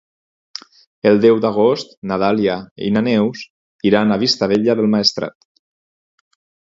El deu d'agost na Dàlia i na Neus iran a Vistabella del Maestrat.